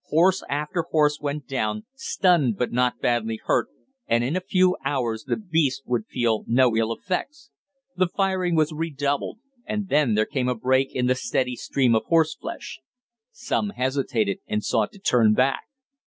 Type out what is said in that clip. Horse after horse went down, stunned but not badly hurt, and in a few hours the beasts would feel no ill effects. The firing was redoubled, and then there came a break in the steady stream of horseflesh. Some hesitated and sought to turn back.